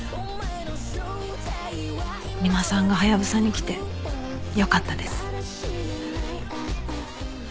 三馬さんがハヤブサに来てよかったです。